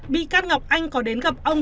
bị can ngọc anh có đến gặp ông